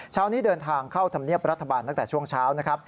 เช้านี้เดินทางเข้าธรรมเนียบรัฐบาลตั้งแต่ช่วงเช้านะครับ